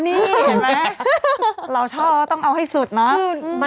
นี่เห็นไหมเราชอบต้องเอาให้สุดเนาะ